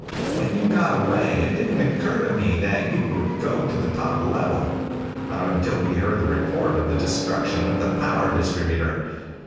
When you got away, it didn't occur to me that you would go to the top level. Not until we heard the report of the destruction of the power distributor.